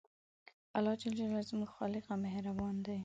الله ج زموږ خالق او مهربان دی